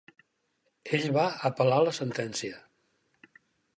Ell va apel·lar la sentència.